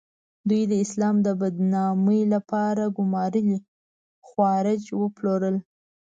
دوی د اسلام د بدنامۍ لپاره ګومارلي خوارج وپلورل.